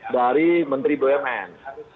dari menteri bumn